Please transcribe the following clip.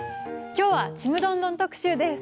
きょうは「ちむどんどん」特集です。